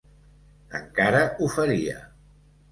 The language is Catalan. Encara ho faria.